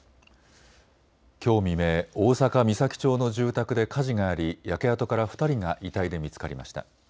きょう未明、大阪岬町の住宅で火事があり焼け跡から２人が遺体で見つかりました。